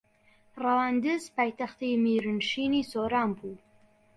ڕەواندز پایتەختی میرنشینی سۆران بوو